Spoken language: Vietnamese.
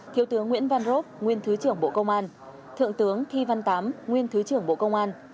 thiếu tướng nguyễn văn rop nguyên thứ trưởng bộ công an thượng tướng thi văn tám nguyên thứ trưởng bộ công an